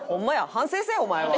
反省せえお前は！